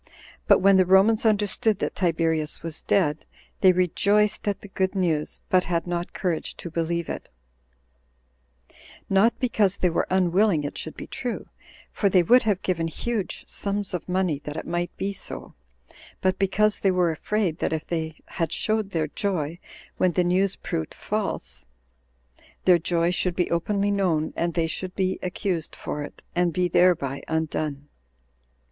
But when the Romans understood that Tiberius was dead, they rejoiced at the good news, but had not courage to believe it; not because they were unwilling it should be true, for they would have given huge sums of money that it might be so, but because they were afraid, that if they had showed their joy when the news proved false, their joy should be openly known, and they should be accused for it, and be thereby undone.